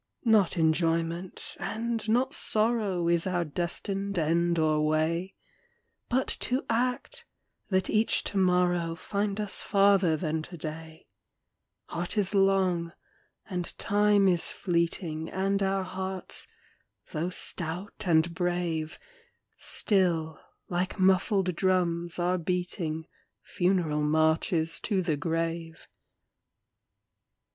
VOICES OF THE NIGHT. Not enjoyment, and not sorrow, Is our destined end or way ; But to act, that each to morrow Find us farther than to day. Art is long, and Time is fleeting, And our hearts, though stout and brave, Still, like muffled drums, are beating Funeral marches to the grave.